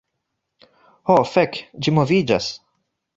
Ho fek', ĝi moviĝas!